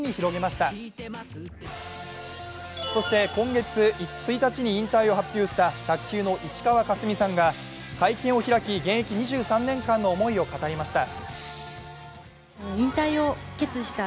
そして今月１日に引退を発表した卓球の石川佳純さんが会見を開き現役２３年間の思いを語りました。